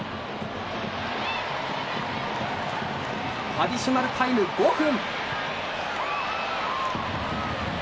アディショナルタイム５分！